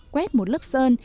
quét một lớp sơn